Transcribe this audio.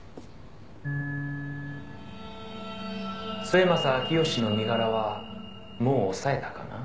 「末政彰義の身柄はもう押さえたかな？」